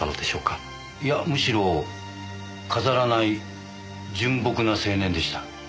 いやむしろ飾らない純朴な青年でした。